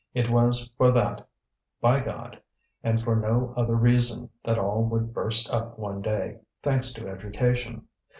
It was for that, by God, and for no other reason, that all would burst up one day, thanks to education.